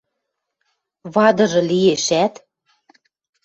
Вадыжы лиэшӓт